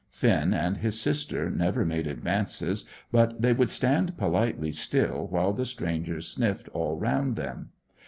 Finn and his sister never made advances, but they would stand politely still while the stranger sniffed all round them.